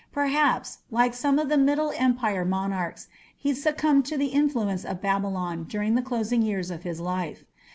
Perhaps, like some of the Middle Empire monarchs, he succumbed to the influence of Babylon during the closing years of his life.